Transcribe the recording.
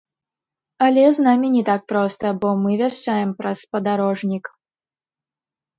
Але з намі не так проста, бо мы вяшчаем праз спадарожнік.